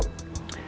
yakin dengan hal itu